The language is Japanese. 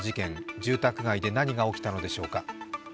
住宅街で何が起きたのでしょうか。